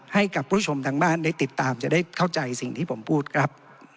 ให้กับผู้ชมทางบ้านได้ติดตามจะได้เข้าใจสิ่งที่ผมพูดครับ